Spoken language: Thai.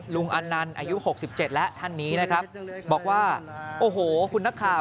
อันนั้นอายุ๖๗แล้วท่านนี้นะครับบอกว่าโอ้โหคุณนักข่าว